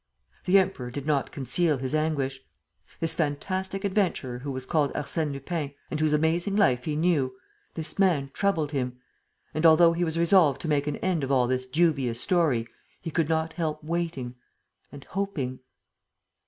The Emperor did not conceal his anguish. This fantastic adventurer who was called Arsène Lupin and whose amazing life he knew, this man troubled him ... and, although he was resolved to make an end of all this dubious story, he could not help waiting ... and hoping.